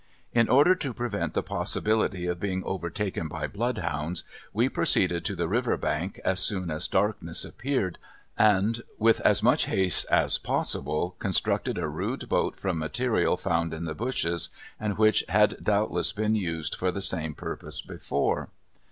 In order to prevent the possibility of being overtaken by blood hounds, we proceeded to the river bank as soon as darkness appeared, and, with as much haste as possible, constructed a rude boat from material found in the bushes, and which had doubtless been used for the same purpose before.